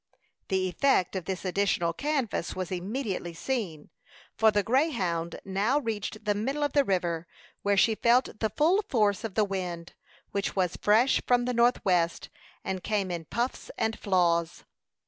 The effect of this additional canvas was immediately seen, for the Greyhound had now reached the middle of the river, where she felt the full force of the wind, which was fresh from the north west, and came in puffs and flaws.